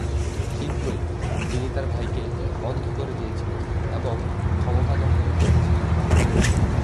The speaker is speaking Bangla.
শীঘ্রই, তিনি তার ভাইকে অন্ধ করে দিয়েছিলেন এবং ক্ষমতা দখল করেছিলেন।